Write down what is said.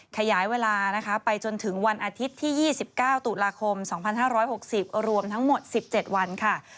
ขยายเวลานะคะไปจนถึงวันอาทิตย์ที่๒๙ตุลาคม๒๕๖๐รวมทั้งหมด๑๗วันค่ะ